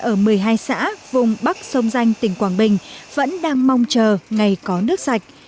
ở một mươi hai xã vùng bắc sông danh tỉnh quảng bình vẫn đang mong chờ ngày có nước sạch